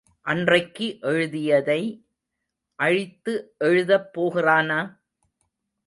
அன்றைக்கு எழுதியதை அழித்து எழுதப் போகிறானா?